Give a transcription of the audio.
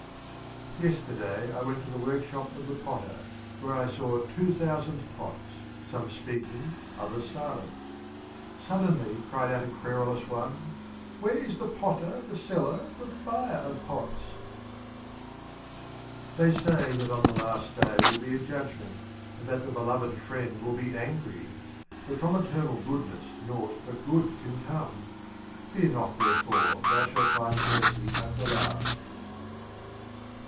LXXXVII. Yesterday I went to the Workshop of the Potter Where I saw Two Thousand Pots, some speaking, others silent. Suddenly cried out a Querulous One, "Where is the Potter, the Seller, the Buyer of Pots?" 79 LXXXVIII. The Literal They say that on the Last Day will Omar V £' be a Judgment, And that the Beloved Friend will be angry. But from Eternal Goodness naught but Good can come; Fear not, therefore, thou shalt find Mercy at the Last.